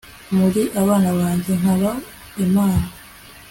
muri abana banjye nkaba imana